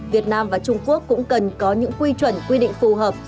việt nam và trung quốc cũng cần có những quy chuẩn quy định phù hợp